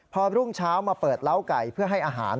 พอรุ่งเช้ามาเปิดเล้าไก่เพื่อให้อาหาร